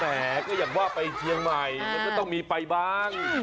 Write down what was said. แหมก็อย่างว่าไปเชียงใหม่มันก็ต้องมีไปบ้าง